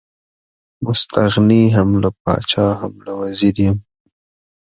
مستغني هم له پاچا هم له وزیر یم.